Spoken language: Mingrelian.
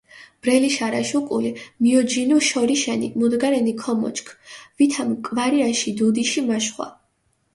ბრელი შარაშ უკული მიოჯინუ შორიშენი, მუდგარენი ქომოჩქ, ვითამ კვარიაში დუდიში მაშხვა.